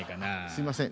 すいません